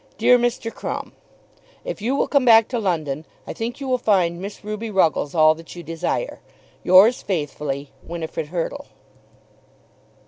DEAR MR. CRUMB, If you will come back to London I think you will find Miss Ruby Ruggles all that you desire. Yours faithfully, WINIFRID HURTLE.